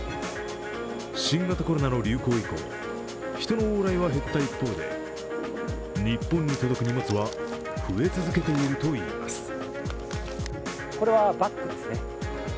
新型コロナの流行以降人の往来は減った一方で日本に届く荷物は増え続けているといいます。